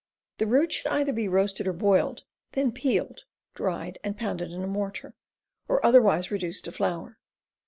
The root should either be roasted or boiled, then peeled, dried, and pounded in a mortar, or otherwise reduced to flour.